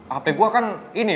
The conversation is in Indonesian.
handphone gue kan ini